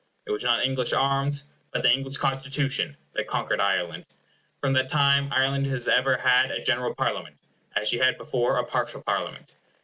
It was not English arms, but the English Constitution, that conquered Ireland. From that time Ireland has ever had a general Parliament, as she had before a partial Parliament.